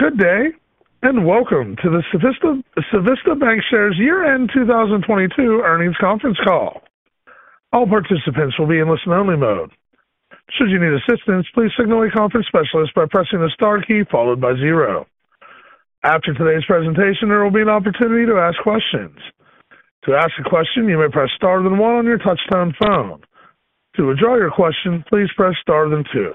Good day, and welcome to the Civista Bancshares Year-End 2022 Earnings Conference Call. All participants will be in listen-only mode. Should you need assistance, please signal a conference specialist by pressing the star key followed by 0. After today's presentation, there will be an opportunity to ask questions. To ask a question, you may press star then 1 on your touch-tone phone. To withdraw your question, please press star then 2.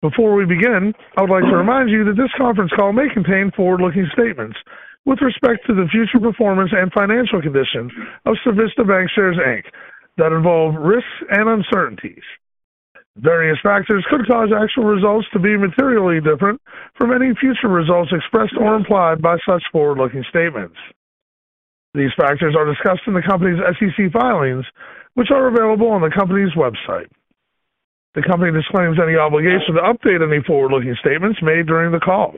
Before we begin, I would like to remind you that this conference call may contain forward-looking statements with respect to the future performance and financial condition of Civista Bancshares, Inc. that involve risks and uncertainties. Various factors could cause actual results to be materially different from any future results expressed or implied by such forward-looking statements. These factors are discussed in the company's SEC filings, which are available on the company's website. The company disclaims any obligation to update any forward-looking statements made during the call.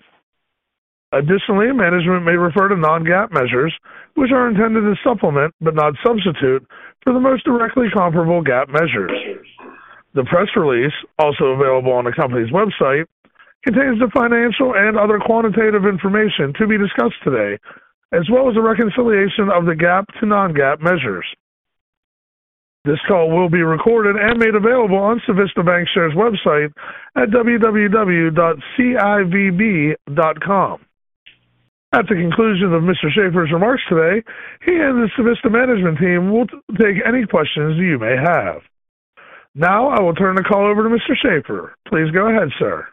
Additionally, management may refer to Non-GAAP measures, which are intended to supplement, but not substitute, for the most directly comparable GAAP measures. The press release, also available on the company's website, contains the financial and other quantitative information to be discussed today, as well as a reconciliation of the GAAP to Non-GAAP measures. This call will be recorded and made available on Civista Bancshares' website at www.civb.com. At the conclusion of Mr. Shaffer's remarks today, he and the Civista management team will take any questions you may have. Now I will turn the call over to Mr. Shaffer. Please go ahead, sir.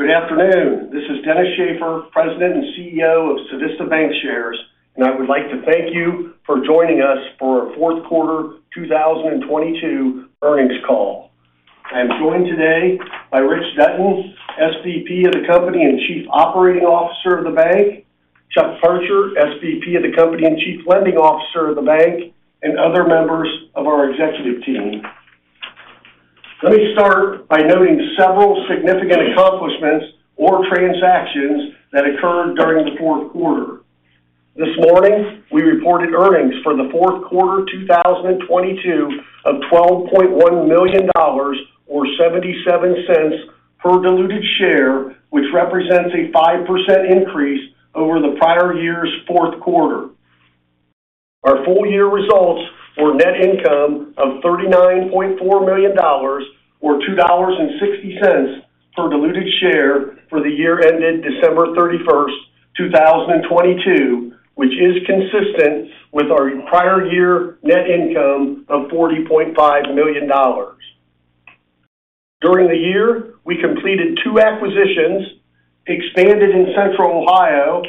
Good afternoon. This is Dennis Shaffer, President and CEO of Civista Bancshares. I would like to thank you for joining us for our Q4 2022 earnings call. I am joined today by Rich Dutton, SVP of the company and Chief Operating Officer of the bank, Chuck Parcher, SVP of the company and Chief Lending Officer of the bank, other members of our executive team. Let me start by noting several significant accomplishments or transactions that occurred during the fourth quarter. This morning, we reported earnings for the fourth quarter 2022 of $12.1 million or $0.77 per diluted share, which represents a 5% increase over the prior year's Q4. Our full year results were net income of $39.4 million or $2.60 per-diluted share for the year ended December 31st, 2022, which is consistent with our prior year net income of $40.5 million. During the year, we completed two acquisitions, expanded in central Ohio,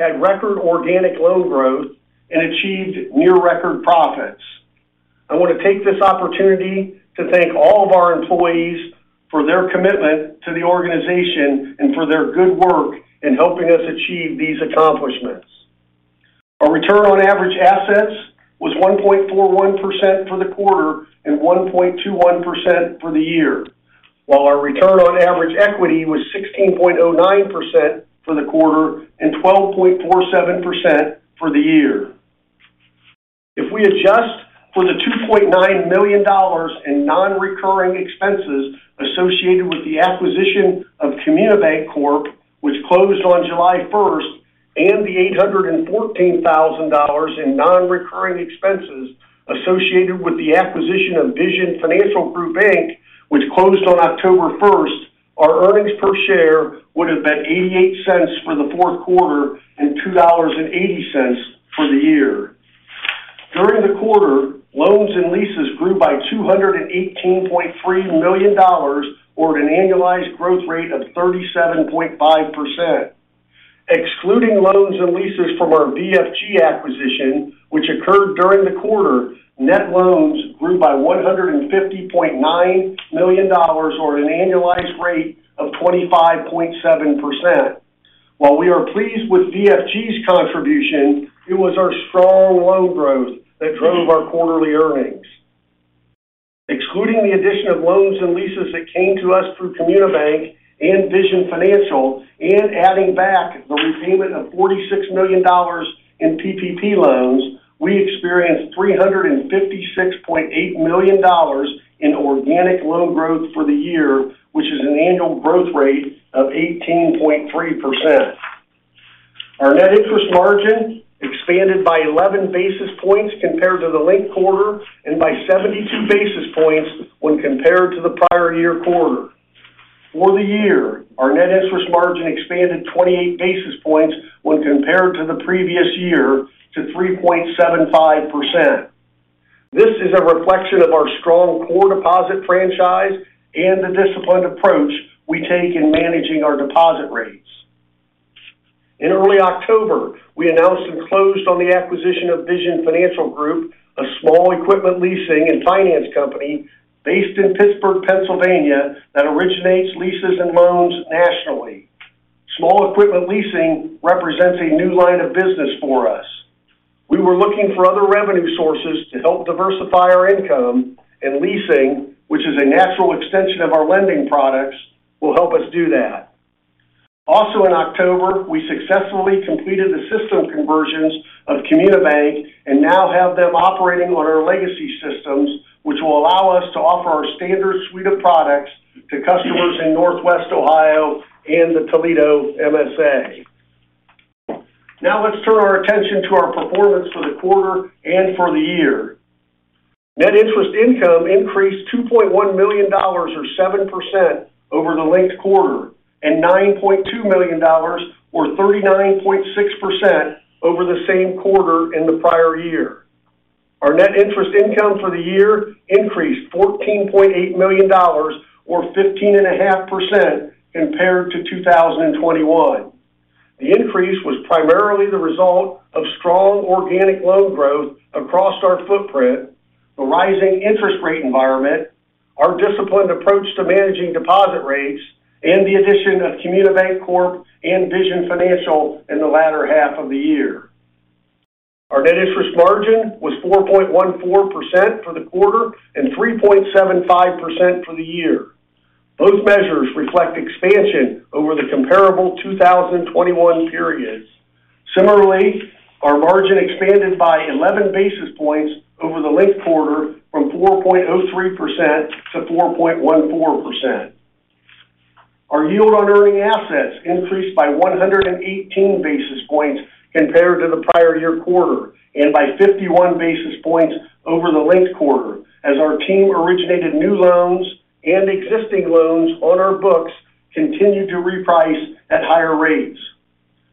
had record organic loan growth, and achieved near record profits. I want to take this opportunity to thank all of our employees for their commitment to the organization and for their good work in helping us achieve these accomplishments. Our return on average assets was 1.41% for the quarter and 1.21% for the year, while our return on average equity was 16.09% for the quarter and 12.47% for the year. If we adjust for the $2.9 million in non-recurring expenses associated with the acquisition of Comunibanc Corp., which closed on July 1, and the $814,000 in non-recurring expenses associated with the acquisition of Vision Financial Group Bank, which closed on October 1, our earnings per share would have been $0.88 for the fourth quarter and $2.80 for the year. During the quarter, loans and leases grew by $218.3 million or at an annualized growth rate of 37.5%. Excluding loans and leases from our VFG acquisition, which occurred during the quarter, net loans grew by $150.9 million or at an annualized rate of 25.7%. While we are pleased with VFG's contribution, it was our strong loan growth that drove our quarterly earnings. Excluding the addition of loans and leases that came to us through Comunibanc and Vision Financial and adding back the repayment of $46 million in PPP loans, we experienced $356.8 million in organic loan growth for the year, which is an annual growth rate of 18.3%. Our net interest margin expanded by 11 basis points compared to the linked quarter and by 72 basis points when compared to the prior year quarter. For the year, our net interest margin expanded 28 basis points when compared to the previous year to 3.75%. This is a reflection of our strong core deposit franchise and the disciplined approach we take in managing our deposit rates. In early October, we announced and closed on the acquisition of Vision Financial Group, a small equipment leasing and finance company based in Pittsburgh, Pennsylvania, that originates leases and loans nationally. Small equipment leasing represents a new line of business for us. We were looking for other revenue sources to help diversify our income, leasing, which is a natural extension of our lending products, will help us do that. Also in October, we successfully completed the system conversions of Comunibanc and now have them operating on our legacy systems, which will allow us to offer our standard suite of products to customers in Northwest Ohio and the Toledo MSA. Let's turn our attention to our performance for the quarter and for the year. Net interest income increased $2.1 million or 7% over the linked quarter, and $9.2 million or 39.6% over the same quarter in the prior year. Our net interest income for the year increased $14.8 million or 15.5% compared to 2021. The increase was primarily the result of strong organic loan growth across our footprint, the rising interest rate environment, our disciplined approach to managing deposit rates, and the addition of Comunibanc Corp and Vision Financial in the latter half of the year. Our net interest margin was 4.14% for the quarter and 3.75% for the year. Both measures reflect expansion over the comparable 2021 periods. Similarly, our margin expanded by 11 basis points over the linked quarter from 4.03% to 4.14%. Our yield on earning assets increased by 118 basis points compared to the prior year quarter and by 51 basis points over the linked quarter as our team originated new loans and existing loans on our books continued to reprice at higher rates.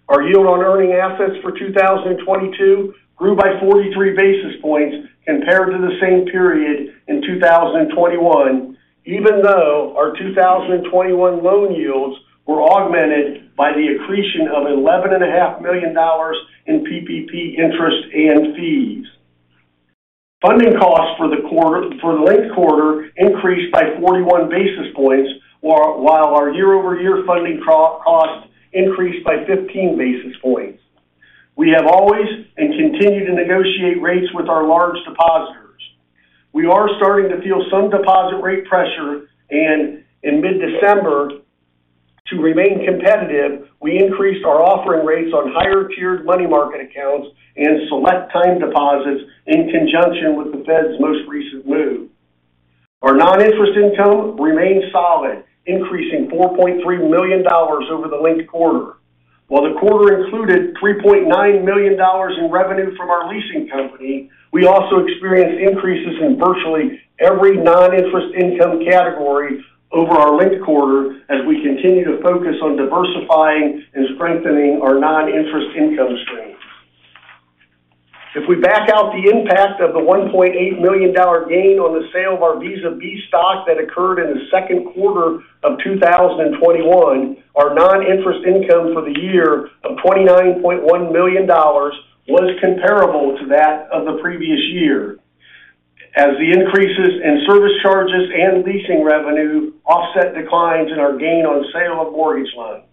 Our yield on earning assets for 2022 grew by 43 basis points compared to the same period in 2021, even though our 2021 loan yields were augmented by the accretion of $11,500,000 in PPP interest and fees. Funding costs for the linked quarter increased by 41 basis points, while our year-over-year funding costs increased by 15 basis points. We have always and continue to negotiate rates with our large depositors. We are starting to feel some deposit rate pressure, and in mid-December, to remain competitive, we increased our offering rates on higher tiered money market accounts and select time deposits in conjunction with the Fed's most recent move. Our non-interest income remained solid, increasing $4.3 million over the linked quarter. While the quarter included $3.9 million in revenue from our leasing company, we also experienced increases in virtually every non-interest income category over our linked quarter as we continue to focus on diversifying and strengthening our non-interest income streams. If we back out the impact of the $1.8 million gain on the sale of our Visa B stock that occurred in the Q2 of 2021, our non-interest income for the year of $29.1 million was comparable to that of the previous year as the increases in service charges and leasing revenue offset declines in our gain on sale of mortgage loans.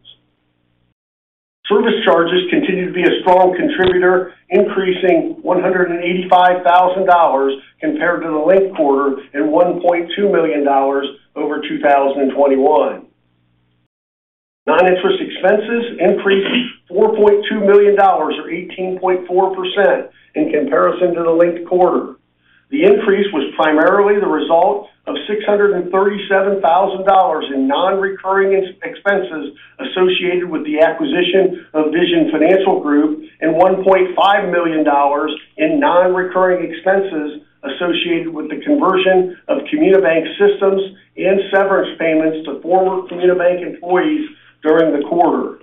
Service charges continue to be a strong contributor, increasing $185,000 compared to the linked quarter and $1.2 million over 2021. Non-interest expenses increased $4.2 million or 18.4% in comparison to the linked quarter. The increase was primarily the result of $637,000 in non-recurring expenses associated with the acquisition of Vision Financial Group and $1.5 million in non-recurring expenses associated with the conversion of Comunibanc systems and severance payments to former Comunibanc employees during the quarter.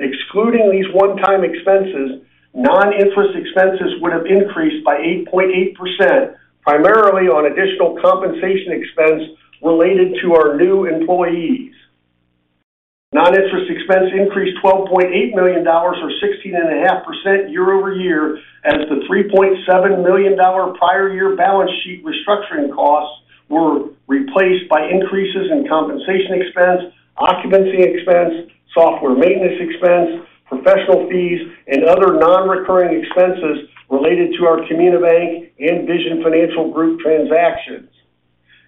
Excluding these one-time expenses, non-interest expenses would have increased by 8.8%, primarily on additional compensation expense related to our new employees. Non-interest expense increased $12.8 million or 16.5% year-over-year as the $3.7 million prior year balance sheet restructuring costs were replaced by increases in compensation expense, occupancy expense, software maintenance expense, professional fees, and other non-recurring expenses related to our Comunibanc and Vision Financial Group transactions.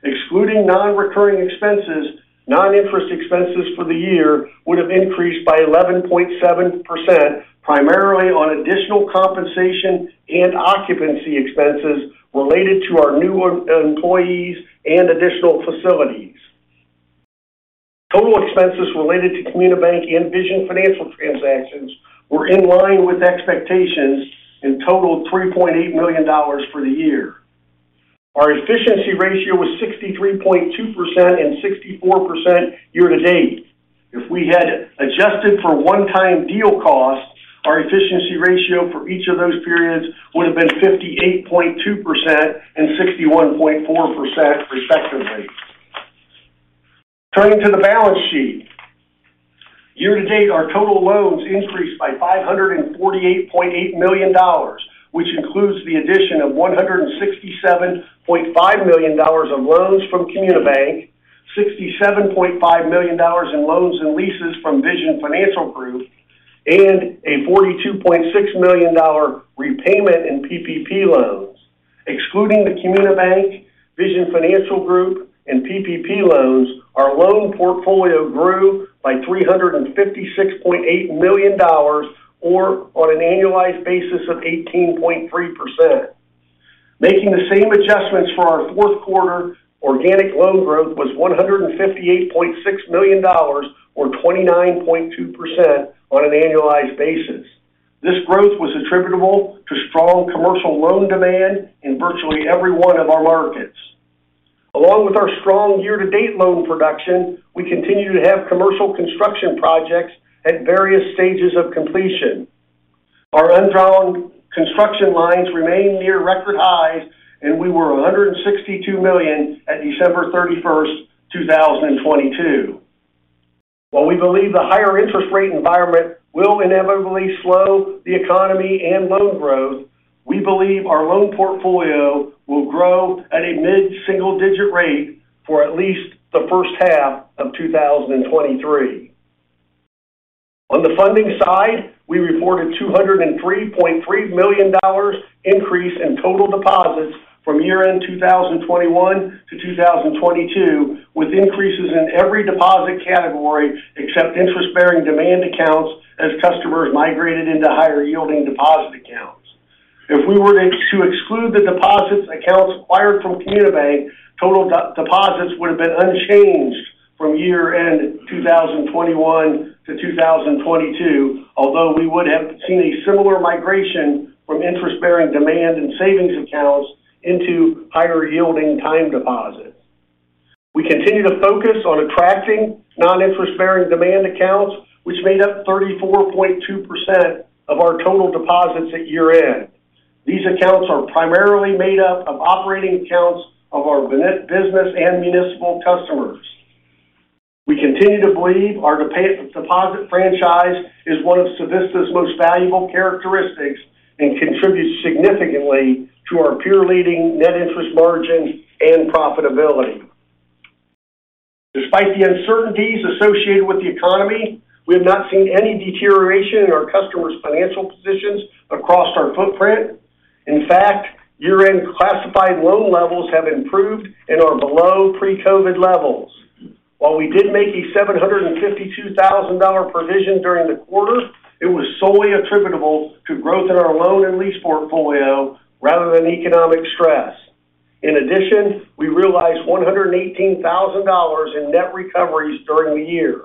Excluding non-recurring expenses, non-interest expenses for the year would have increased by 11.7%, primarily on additional compensation and occupancy expenses related to our new employees and additional facilities. Total expenses related to Comunibanc and Vision Financial transactions were in line with expectations and totaled $3.8 million for the year. Our efficiency ratio was 63.2% and 64% year to date. If we had adjusted for one-time deal cost, our efficiency ratio for each of those periods would have been 58.2% and 61.4% respectively. Turning to the balance sheet. Year to date, our total loans increased by $548.8 million, which includes the addition of $167.5 million of loans from Comunibanc, $67.5 million in loans and leases from Vision Financial Group, and a $42.6 million repayment in PPP loans. Excluding the Comunibanc, Vision Financial Group, and PPP loans, our loan portfolio grew by $356.8 million or on an annualized basis of 18.3%. Making the same adjustments for our fourth quarter, organic loan growth was $158.6 million or 29.2% on an annualized basis. This growth was attributable to strong commercial loan demand in virtually every one of our markets. Along with our strong year-to-date loan production, we continue to have commercial construction projects at various stages of completion. Our undrawn construction lines remain near record highs, and we were $162 million at December 31, 2022. While we believe the higher interest rate environment will inevitably slow the economy and loan growth, we believe our loan portfolio will grow at a mid-single-digit rate for at least the first half of 2023. On the funding side, we reported $203.3 million increase in total deposits from year-end 2021 to 2022, with increases in every deposit category except interest-bearing demand accounts as customers migrated into higher-yielding deposit accounts. If we were to exclude the deposits accounts acquired from Comunibanc, total deposits would have been unchanged from year-end 2021 to 2022, although we would have seen a similar migration from interest-bearing demand and savings accounts into higher-yielding time deposits. We continue to focus on attracting non-interest-bearing demand accounts, which made up 34.2% of our total deposits at year-end. These accounts are primarily made up of operating accounts of our business and municipal customers. We continue to believe our deposit franchise is one of Civista's most valuable characteristics and contributes significantly to our peer-leading net interest margin and profitability. Despite the uncertainties associated with the economy, we have not seen any deterioration in our customers' financial positions across our footprint. Year-end classified-loan levels have improved and are below pre-COVID levels. While we did make a $752,000 provision during the quarter, it was solely attributable to growth in our loan and lease portfolio rather than economic stress. In addition, we realized $118,000 in net recoveries during the year.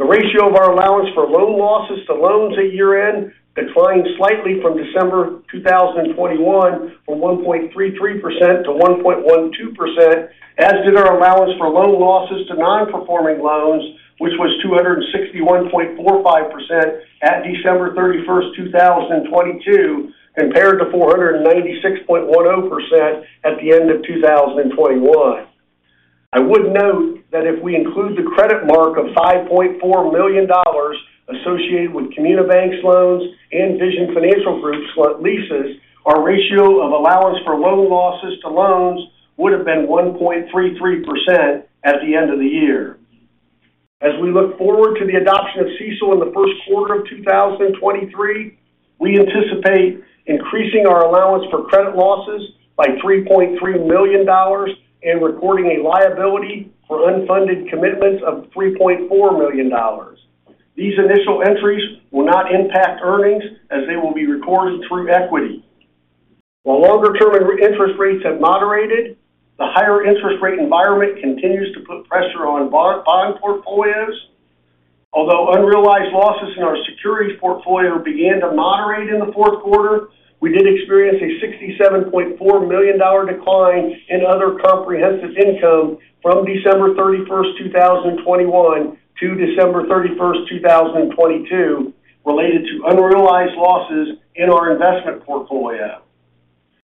The ratio of our allowance for loan losses to loans at year-end declined slightly from December 2021 from 1.33% to 1.12%, as did our allowance for loan losses to non-performing loans, which was 261.45% at December 31, 2022, compared to 496.10% at the end of 2021. I would note that if we include the credit mark of $5.4 million associated with Comunibanc's loans and Vision Financial Group's leases, our ratio of allowance for loan losses to loans would have been 1.33% at the end of the year. As we look forward to the adoption of CECL in the first quarter of 2023, we anticipate increasing our allowance for credit losses by $3.3 million and recording a liability for unfunded commitments of $3.4 million. These initial entries will not impact earnings as they will be recorded through equity. While longer-term interest rates have moderated, the higher interest rate environment continues to put pressure on bond portfolios. Although unrealized losses in our securities portfolio began to moderate in the Q4, we did experience a $67.4 million decline in other comprehensive income from December 31, 2021 to December 31, 2022, related to unrealized losses in our investment portfolio.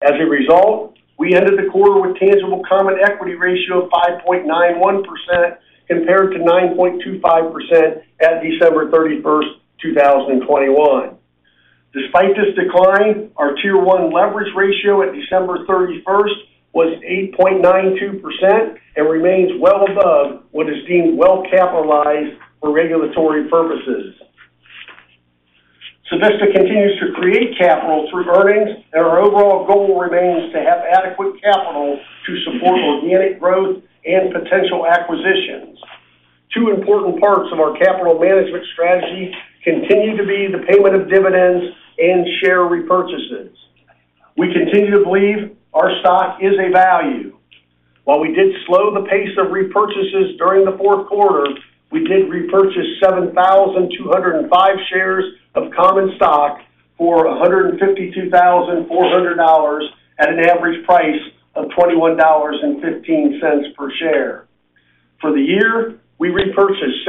As a result, we ended the quarter with tangible common equity ratio of 5.91% compared to 9.25% at December 31, 2021. Despite this decline, our Tier 1 leverage ratio at December 31 was 8.92% and remains well above what is deemed well-capitalized for regulatory purposes. Civista continues to create capital through earnings, our overall goal remains to have adequate capital to support organic growth and potential acquisitions. Two important parts of our capital management strategy continue to be the payment of dividends and share repurchases. We continue to believe our stock is a value. While we did slow the pace of repurchases during the fourth quarter, we did repurchase 7,205 shares of common stock for $152,400 at an average price of $21.15 per share. For the year, we repurchased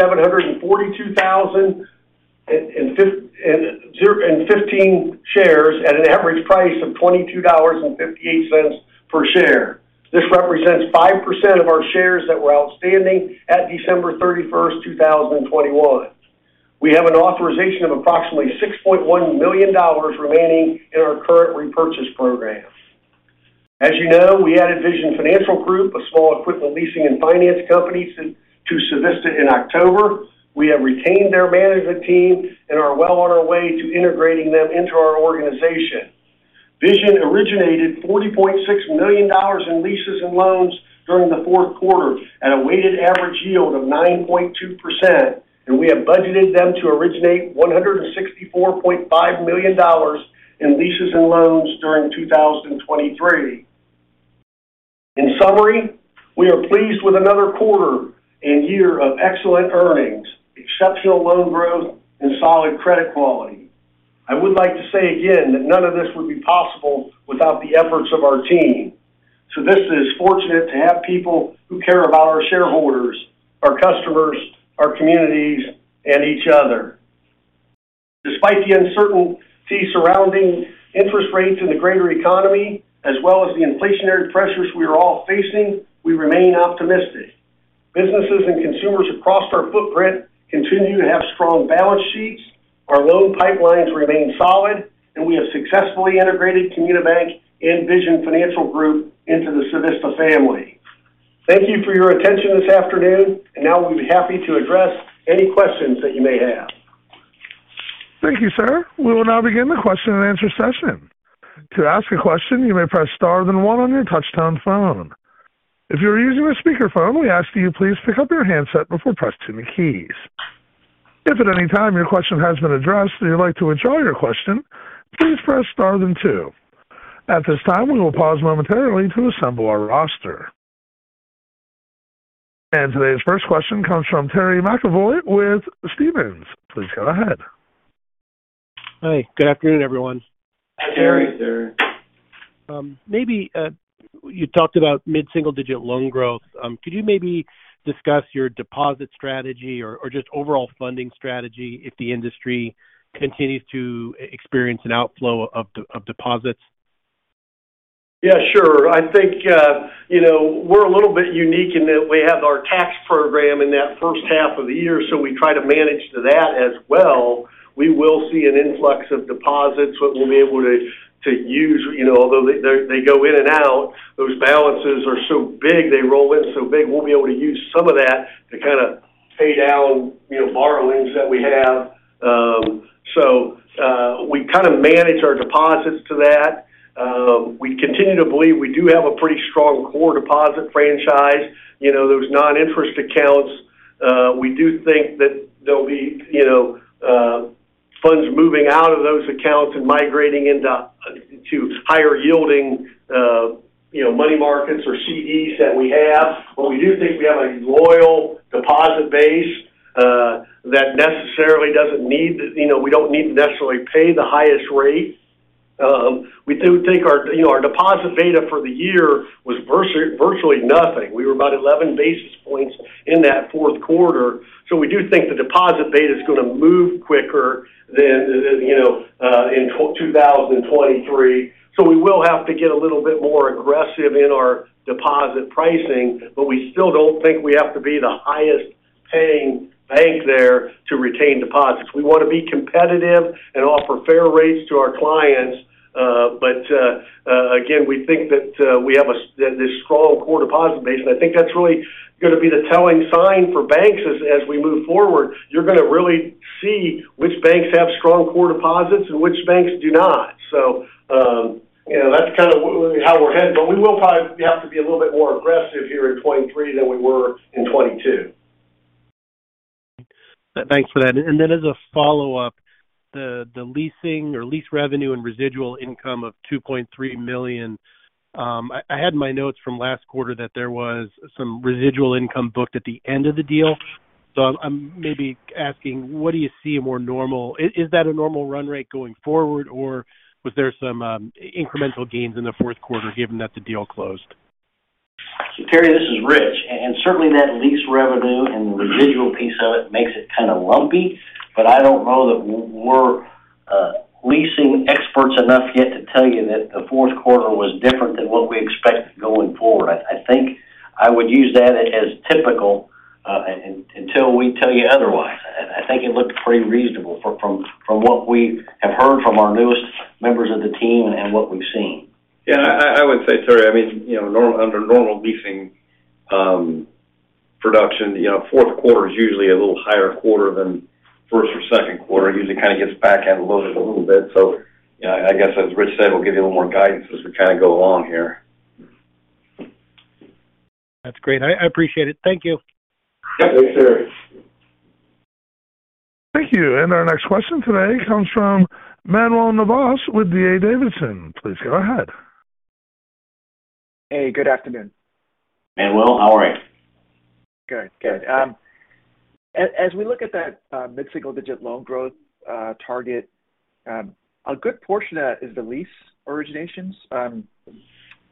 742,015 shares at an average price of $22.58 per share. This represents 5% of our shares that were outstanding at December 31st, 2021. We have an authorization of approximately $6.1 million remaining in our current repurchase program. As you know, we added Vision Financial Group, a small equipment leasing and finance company to Civista in October. We have retained their management team and are well on our way to integrating them into our organization. Vision originated $40.6 million in leases and loans during the Q4 at a weighted average yield of 9.2%. We have budgeted them to originate $164.5 million in leases and loans during 2023. In summary, we are pleased with another quarter and year of excellent earnings, exceptional loan growth and solid credit quality. I would like to say again that none of this would be possible without the efforts of our team. Civista is fortunate to have people who care about our shareholders, our customers, our communities and each other. Despite the uncertainty surrounding interest rates in the greater economy as well as the inflationary pressures we are all facing, we remain optimistic. Businesses and consumers across our footprint continue to have strong balance sheets. Our loan pipelines remain solid, and we have successfully integrated Community Bank and Vision Financial Group into the Civista family. Thank you for your attention this afternoon, and now we'll be happy to address any questions that you may have. Thank you, sir. We will now begin the question and answer session. To ask a question, you may press star then one on your touchtone phone. If you are using a speakerphone, we ask that you please pick up your handset before pressing the keys. If at any time your question has been addressed and you'd like to withdraw your question, please press star then two. At this time, we will pause momentarily to assemble our roster. Today's first question comes from Terry McEvoy with Stephens. Please go ahead. Hi. Good afternoon, everyone. Hi, Terry. Hi, Terry. Maybe, you talked about mid-single-digit loan growth. Could you maybe discuss your deposit strategy or just overall funding strategy if the industry continues to experience an outflow of deposits? Yeah, sure. I think, you know, we're a little bit unique in that we have our tax program in that first half of the year, so we try to manage to that as well. We will see an influx of deposits which we'll be able to use. You know, although they go in and out, those balances are so big, they roll in so big, we'll be able to use some of that to kind of pay down, you know, borrowings that we have. We kind of manage our deposits to that. We continue to believe we do have a pretty strong core deposit franchise. You know, those non-interest accounts, we do think that there'll be, you know, funds moving out of those accounts and migrating into higher yielding, you know, money markets or CDs that we have. We do think we have a loyal deposit base, that necessarily, you know, we don't need to necessarily pay the highest rate. We do think, you know, our deposit beta for the year was virtually nothing. We were about 11 basis points in that Q4. We do think the deposit beta is gonna move quicker than, you know, in 2023. We will have to get a little bit more aggressive in our deposit pricing, but we still don't think we have to be the highest paying bank there to retain deposits. We wanna be competitive and offer fair rates to our clients. Again, we think that we have this strong core deposit base, and I think that's really gonna be the telling sign for banks as we move forward. You're gonna really see which banks have strong core deposits and which banks do not. You know, that's kind of how we're headed, but we will probably have to be a little bit more aggressive here in 2023 than we were in 2022. Thanks for that. Then as a follow-up, the leasing or lease revenue and residual income of $2.3 million, I had in my notes from last quarter that there was some residual income booked at the end of the deal. I'm maybe asking, what do you see more normal? Is that a normal run rate going forward, or was there some incremental gains in the Q4 given that the deal closed? Terry, this is Rich. Certainly that lease revenue and the residual piece of it makes it kind of lumpy, but I don't know that we're leasing experts enough yet to tell you that the fourth quarter was different than what we expect going forward. I think I would use that as typical until we tell you otherwise. I think it looked pretty reasonable from what we have heard from our newest members of the team and what we've seen. Yeah. I would say, Terry, I mean, you know, under normal leasing production, you know, Q4 is usually a little higher quarter than first or second quarter. It usually kind of gets back end loaded a little bit. You know, I guess as Rich said, we'll give you a little more guidance as we kind of go along here. That's great. I appreciate it. Thank you. Yep. Thanks, Terry. Thank you. Our next question today comes from Manuel Navas with D.A. Davidson. Please go ahead. Hey, good afternoon. Manuel, how are you? Good. Good. As we look at that mid-single digit loan growth target, a good portion of that is the lease originations.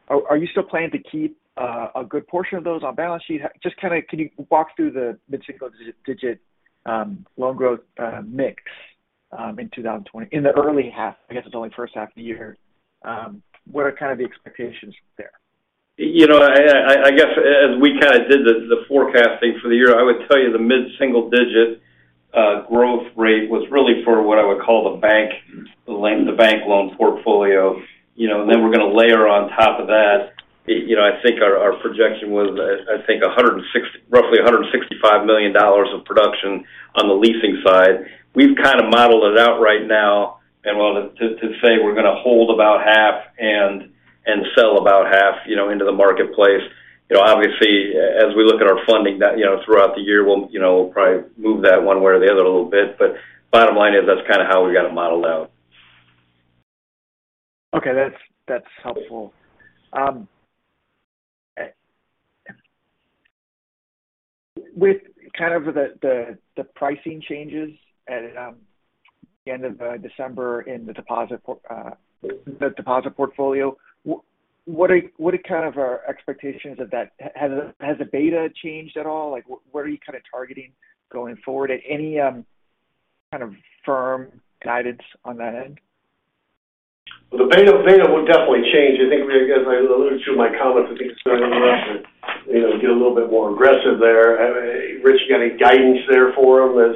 Are you still planning to keep a good portion of those on balance sheet? Just kind of can you walk through the mid-single digit loan growth mix in 2020 in the early half? I guess it's only first half of the year. What are kind of the expectations there? You know, I guess as we kind of did the forecasting for the year, I would tell you the mid-single digit growth rate was really for what I would call the bank loan portfolio. You know, we're gonna layer on top of that. You know, I think our projection was, I think roughly $165 million of production on the leasing side. We've kind of modeled it out right now, Manuel, to say we're gonna hold about half and sell about half, you know, into the marketplace. You know, obviously, as we look at our funding, you know, throughout the year, we'll, you know, probably move that one way or the other a little bit. Bottom line is that's kind of how we got it modeled out. Okay, that's helpful. With kind of the pricing changes at the end of December in the deposit portfolio, what are kind of our expectations of that? Has the beta changed at all? Like, what are you kind of targeting going forward? Any kind of firm guidance on that end? The beta will definitely change. I think, as I alluded to in my comments, I think it's going to allow us to, you know, get a little bit more aggressive there. Rich, you got any guidance there for them.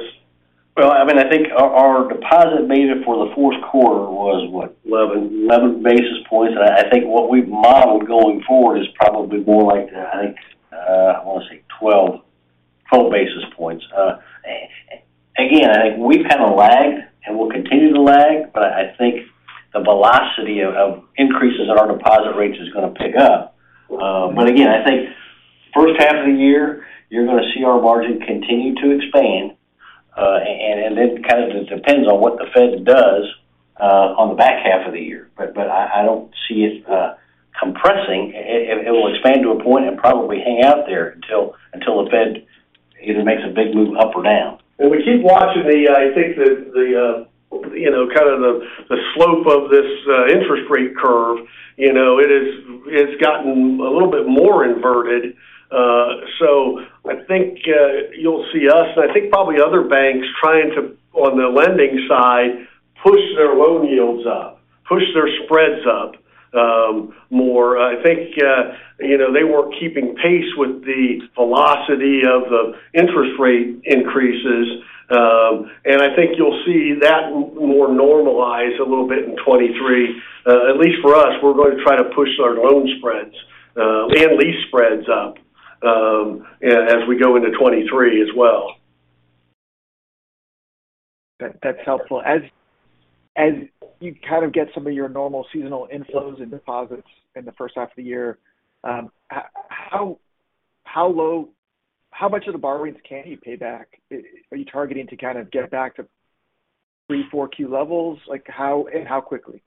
Well, I mean, I think our deposit beta for the Q4 was, what, 11 basis points. I think what we've modeled going forward is probably more like, I think, I wanna say 12 basis points. Again, I think we've kind of lagged, and we'll continue to lag, but I think the velocity of increases in our deposit rates is gonna pick up. Again, I think first half of the year, you're gonna see our margin continue to expand. And it kind of depends on what the Fed does on the back half of the year. I don't see it compressing. It will expand to a point and probably hang out there until the Fed either makes a big move up or down. We keep watching the, I think, the, you know, kind of the slope of this interest rate curve. You know, it's gotten a little bit more inverted. So I think, you'll see us, and I think probably other banks trying to, on the lending side, push their loan yields up, push their spreads up, more. I think, you know, they weren't keeping pace with the velocity of the interest rate increases, and I think you'll see that more normalized a little bit in 23. At least for us, we're going to try to push our loan spreads, land lease spreads up, as we go into 2023 as well. That's helpful. As you kind of get some of your normal seasonal inflows and deposits in the first half of the year, how much of the borrowings can you pay back? Are you targeting to kind of get back to Q3, Q4 levels? Like, how and how quickly?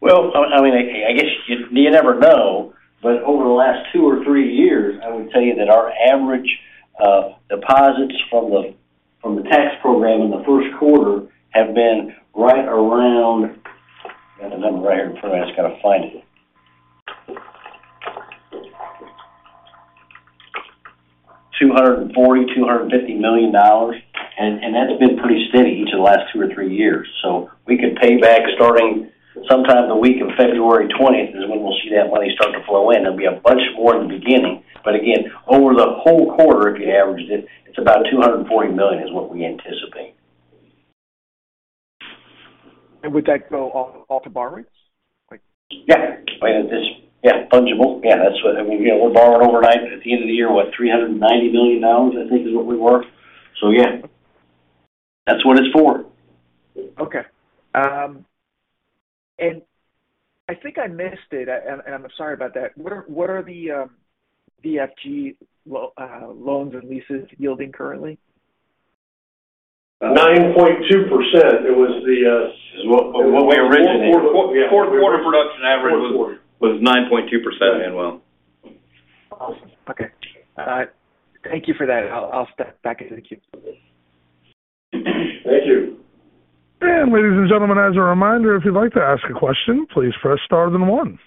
Well, I mean, I guess you never know. Over the last two or three years, I would tell you that our average deposits from the tax program in the Q1 have been right around. Got the number right here in front of me. I just gotta find it. $240 million-$250 million. That's been pretty steady each of the last two or three years. We could pay back starting sometime the week of February 20th is when we'll see that money start to flow in. There'll be a bunch more in the beginning. Again, over the whole quarter, if you averaged it's about $240 million is what we anticipate. Would that go all to borrowings? Like... Yeah. I mean, it's, yeah, fungible. Yeah, I mean, you know, we're borrowing overnight at the end of the year, what, $390 million, I think, is what we were. yeah, that's what it's for. Okay. I think I missed it, and I'm sorry about that. What are the VFG loans and leases yielding currently? 9.2%. It was the Is [inaudible] what we originated. Fourth quarter. was 9.2% annual. Awesome. Okay. All right. Thank you for that. I'll step back into the queue. Thank you. Ladies and gentlemen, as a reminder, if you'd like to ask a question, please press star then one.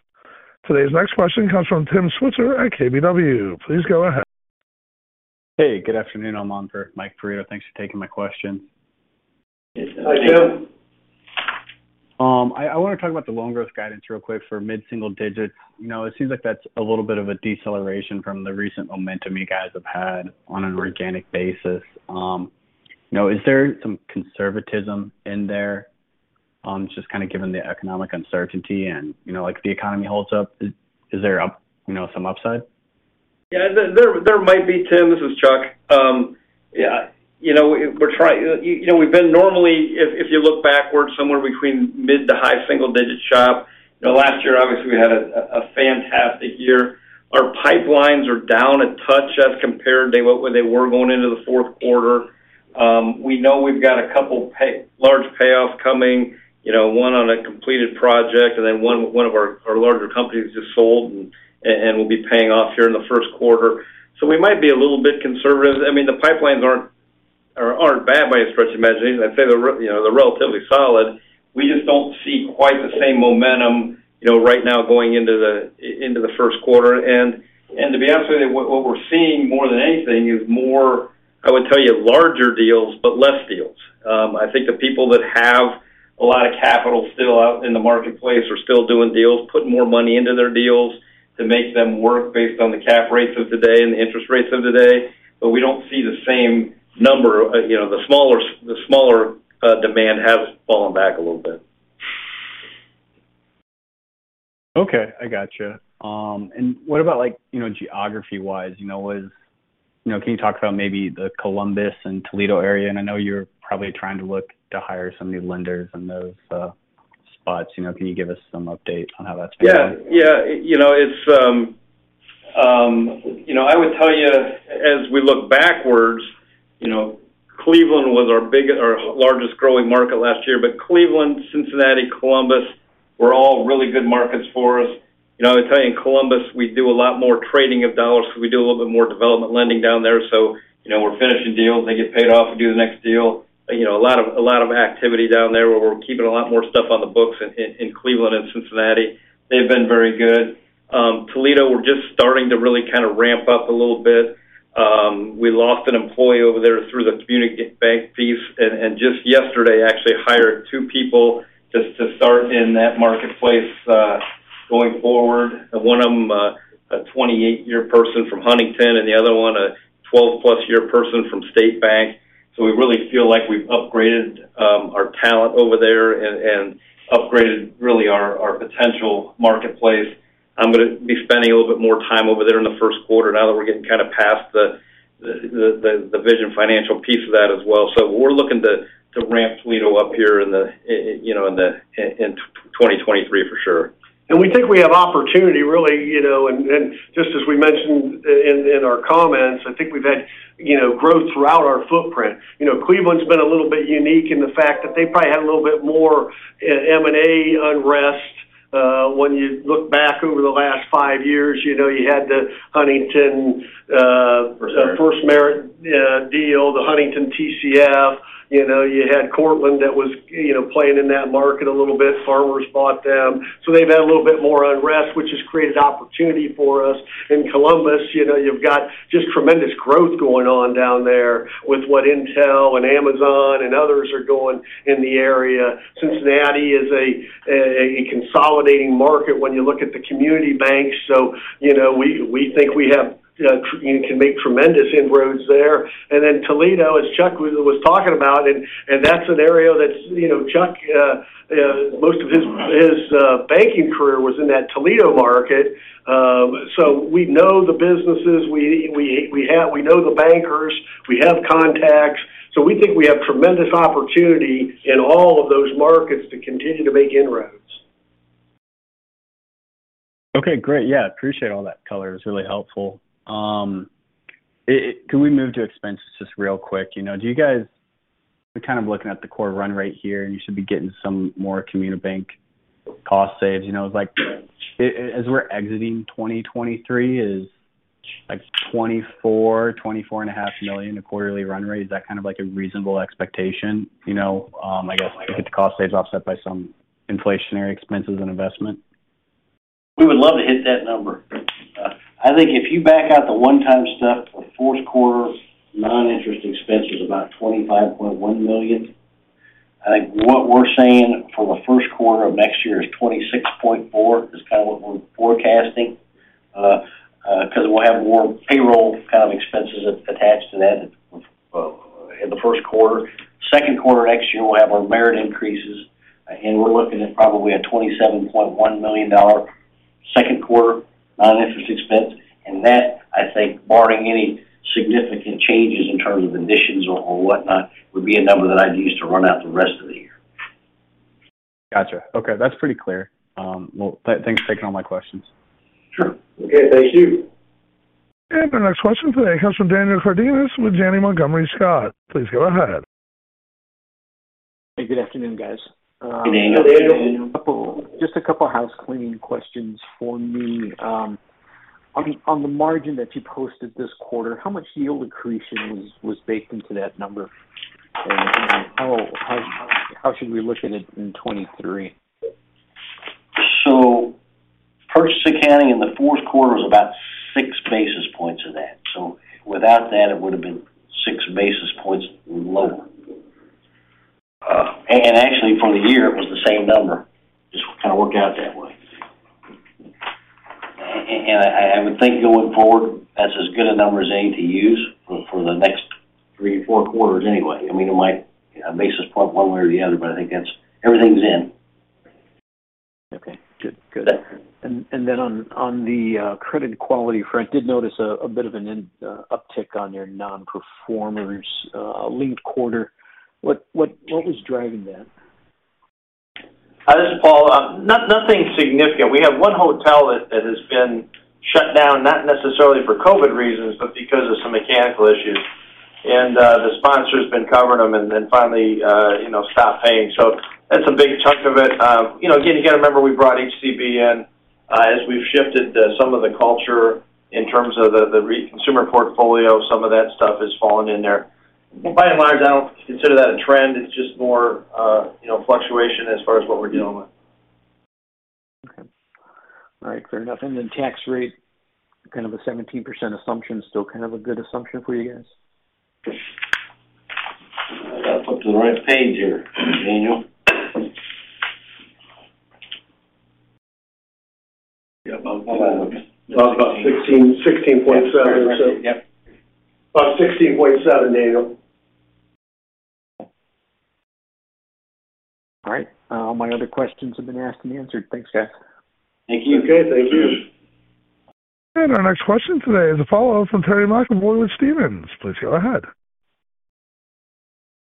Today's next question comes from Tim Switzer at KBW. Please go ahead. Hey, good afternoon. I'm on for Michael Perito. Thanks for taking my question. Hi, Tim. I wanna talk about the loan growth guidance real quick for mid-single digits. You know, it seems like that's a little bit of a deceleration from the recent momentum you guys have had on an organic basis. You know, is there some conservatism in there, just kinda given the economic uncertainty and, you know, like, the economy holds up? Is there, you know, some upside? Yeah. There might be, Tim. This is Chuck. Yeah, you know, we've been normally, if you look backwards, somewhere between mid to high single digits shop. You know, last year, obviously, we had a fantastic year. Our pipelines are down a touch as compared to what they were going into the fourth quarter. We know we've got a couple large payoffs coming, you know, one on a completed project and then one of our larger companies just sold and will be paying off here in the first quarter. We might be a little bit conservative. I mean, the pipelines aren't bad by any stretch of the imagination. I'd say they're you know, relatively solid. We just don't see quite the same momentum, you know, right now going into the into the first quarter. To be honest with you, what we're seeing more than anything is more, I would tell you, larger deals, but less deals. I think the people that have a lot of capital still out in the marketplace are still doing deals, putting more money into their deals to make them work based on the cap rates of today and the interest rates of today. We don't see the same number. You know, the smaller demand has fallen back a little bit. Okay. I got you. What about, like, you know, geography-wise? You know, can you talk about maybe the Columbus and Toledo area? I know you're probably trying to look to hire some new lenders in those spots. You know, can you give us some update on how that's going? Yeah. Yeah. You know, it's, you know, I would tell you as we look backwards, you know, Cleveland was our largest growing market last year, but Cleveland, Cincinnati, Columbus were all really good markets for us. You know, I would tell you, in Columbus, we do a lot more trading of dollars because we do a little bit more development lending down there. You know, we're finishing deals, they get paid off, we do the next deal. You know, a lot of activity down there where we're keeping a lot more stuff on the books in Cleveland and Cincinnati. They've been very good. Toledo, we're just starting to really kind of ramp up a little bit. We lost an employee over there through the community bank piece, and just yesterday actually hired two people just to start in that marketplace going forward. One of them, a 28-year person from Huntington, and the other one a 12-plus year person from State Bank. We really feel like we've upgraded our talent over there and upgraded really our potential marketplace. I'm gonna be spending a little bit more time over there in the first quarter now that we're getting kind of past the Vision Financial piece of that as well. We're looking to ramp Toledo up here in the you know, in 2023, for sure. We think we have opportunity, really, you know, and just as we mentioned in our comments, I think we've had, you know, growth throughout our footprint. You know, Cleveland's been a little bit unique in the fact that they probably had a little bit more M&A unrest. When you look back over the last five years, you know, you had the Huntington, FirstMerit.... FirstMerit deal, the Huntington TCF. You know, you had Cortland that was, you know, playing in that market a little bit. Farmers bought them. They've had a little bit more unrest, which has created opportunity for us. In Columbus, you know, you've got just tremendous growth going on down there with what Intel and Amazon and others are doing in the area. Cincinnati is a consolidating market when you look at the community banks. You know, we think we can make tremendous inroads there. Then Toledo, as Chuck was talking about, that's an area that's, you know, Chuck, most of his banking career was in that Toledo market. We know the businesses. We know the bankers. We have contacts. We think we have tremendous opportunity in all of those markets to continue to make inroads. Okay, great. Yeah, appreciate all that color. It's really helpful. Can we move to expenses just real quick? You know, we're kind of looking at the core run rate here, and you should be getting some more community bank cost saves. You know, like, as we're exiting 2023 is, like, $24 million-$24.5 million a quarterly run rate. Is that kind of, like, a reasonable expectation? You know, I guess get the cost saves offset by some inflationary expenses and investment. We would love to hit that number. I think if you back out the one-time stuff for Q4, non-interest expense is about $25.1 million. I think what we're saying for the Q1 of next year is $26.4 is kind of what we're forecasting, because we'll have more payroll kind of expenses attached to that in the Q1. Q2 next year, we'll have our merit increases, and we're looking at probably a $27.1 million second quarter non-interest expense. That, I think, barring any significant changes in terms of additions or whatnot, would be a number that I'd use to run out the rest of the year. Gotcha. Okay, that's pretty clear. Well, thanks for taking all my questions. Sure. Okay, thank you. Our next question today comes from Daniel Cardenas with Janney Montgomery Scott. Please go ahead. Hey, good afternoon, guys. Good afternoon. Good afternoon. Just a couple of housecleaning questions for me. On the margin that you posted this quarter, how much yield accretion was baked into that number? How should we look at it in 23? Purchase accounting in the fourth quarter was about 6 basis points of that. Without that, it would have been 6 basis points lower. Actually for the year, it was the same number. Just kind of worked out that way. I would think going forward, that's as good a number as any to use for the next three or four quarters anyway. I mean, it might, a basis point one way or the other, but I think that's everything's in. Okay, good. Good. Yeah. On the credit quality front, did notice a bit of an uptick on your non-performers, linked quarter. What was driving that? This is Paul. Nothing significant. We have one hotel that has been shut down, not necessarily for COVID reasons, but because of some mechanical issues. The sponsor's been covering them and then finally, you know, stopped paying. That's a big chunk of it. You know, again, you got to remember we brought HCB in. As we've shifted, some of the culture in terms of the consumer portfolio, some of that stuff has fallen in there. By and large, I don't consider that a trend. It's just more, you know, fluctuation as far as what we're dealing with. Okay. All right, fair enough. Tax rate, kind of a 17% assumption, still kind of a good assumption for you guys? I got to flip to the right page here, Daniel. Yeah, about 16.7. About 16.7, Daniel. All right. My other questions have been asked and answered. Thanks, guys. Thank you. Okay, thank you. Our next question today is a follow-up from Terry McEvoy, Stephens Inc. Please go ahead.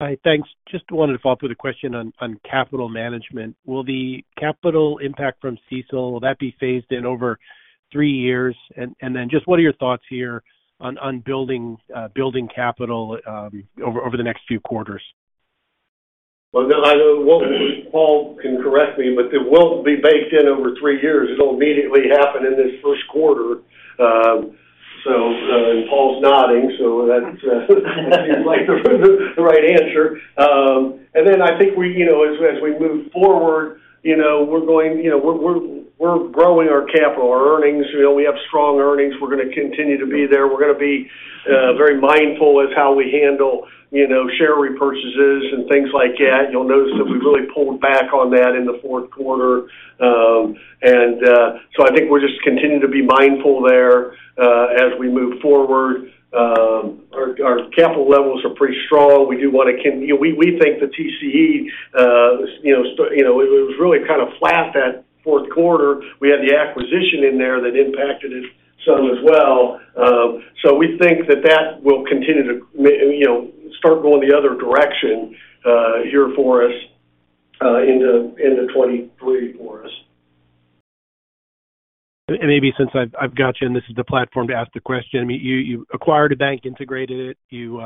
Hi, thanks. Just wanted to follow through the question on capital management. Will the capital impact from CECL, will that be phased in over three years? Just what are your thoughts here on building capital over the next few quarters? No, I know. Paul can correct me, but it won't be baked in over three years. It'll immediately happen in this first quarter. Paul's nodding, so that's seems like the right answer. I think we, you know, as we move forward, you know, we're growing our capital, our earnings. You know, we have strong earnings. We're gonna continue to be there. We're gonna be very mindful of how we handle, you know, share repurchases and things like that. You'll notice that we've really pulled back on that in the fourth quarter. I think we'll just continue to be mindful there as we move forward. Our capital levels are pretty strong. We do wanna you know, we think the TCE, you know, it was really kind of flat that Q4. We had the acquisition in there that impacted it some as well. We think that that will continue to you know, start going the other direction, here for us, into 2023 for us. Maybe since I've got you and this is the platform to ask the question. I mean, you acquired a bank, integrated it. You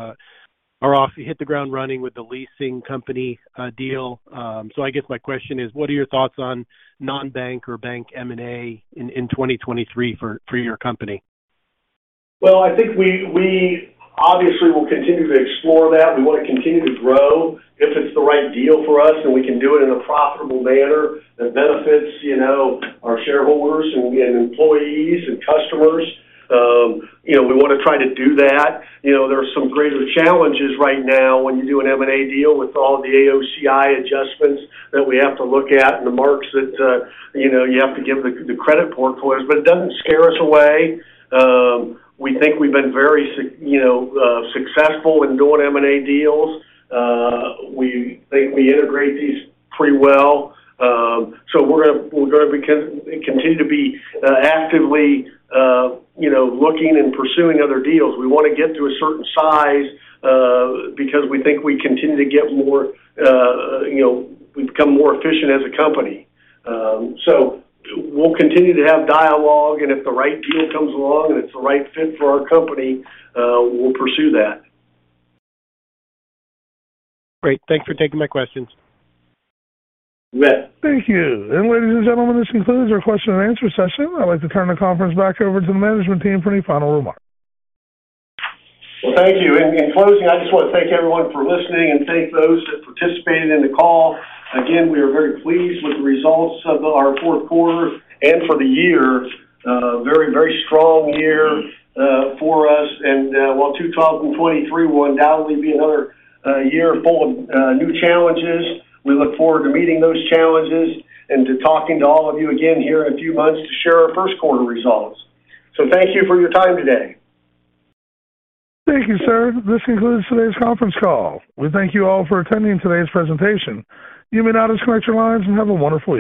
are off. You hit the ground running with the leasing company deal. I guess my question is: what are your thoughts on non-bank or bank M&A in 2023 for your company? I think we obviously will continue to explore that. We wanna continue to grow. If it's the right deal for us, and we can do it in a profitable manner that benefits, you know, our shareholders and employees and customers, you know, we wanna try to do that. You know, there are some greater challenges right now when you do an M&A deal with all the AOCI adjustments that we have to look at and the marks that, you know, you have to give the credit portfolios, but it doesn't scare us away. We think we've been very successful in doing M&A deals. We think we integrate these pretty well. We're gonna continue to be, actively, you know, looking and pursuing other deals. We wanna get to a certain size, because we think we continue to get more, you know, we become more efficient as a company. We'll continue to have dialogue, and if the right deal comes along and it's the right fit for our company, we'll pursue that. Great. Thanks for taking my questions. You bet. Thank you. Ladies and gentlemen, this concludes our question and answer session. I'd like to turn the conference back over to the management team for any final remarks. Well, thank you. In closing, I just wanna thank everyone for listening and thank those that participated in the call. Again, we are very pleased with the results of our Q4 and for the year. Very, very strong year for us. While 2023 will undoubtedly be another year full of new challenges, we look forward to meeting those challenges and to talking to all of you again here in a few months to share our first quarter results. Thank you for your time today. Thank you, sir. This concludes today's conference call. We thank you all for attending today's presentation. You may now disconnect your lines, and have a wonderful day.